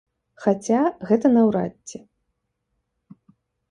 Хаця, гэта наўрад ці.